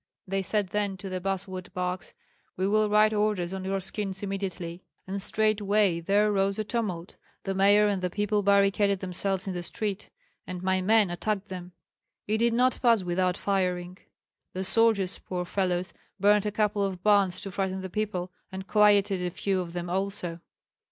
They said then to the basswood barks, 'We will write orders on your skins immediately.' And straightway there rose a tumult. The mayor and the people barricaded themselves in the street, and my men attacked them; it did not pass without firing. The soldiers, poor fellows, burned a couple of barns to frighten the people, and quieted a few of them also."